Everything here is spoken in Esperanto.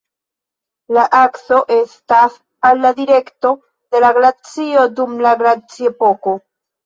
La akso estas al la direkto de la glacio dum la glaciepoko.